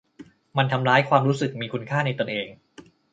มันทำร้ายความรู้สึกมีคุณค่าในตนเอง